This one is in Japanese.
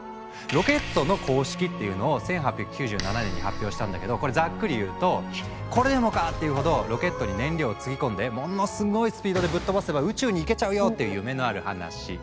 「ロケットの公式」っていうのを１８９７年に発表したんだけどこれざっくり言うと「これでもかっていうほどロケットに燃料を積み込んでものすごいスピードでぶっ飛ばせば宇宙に行けちゃうよ」っていう夢のある話。